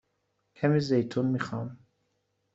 کمی زیتون می خواهم.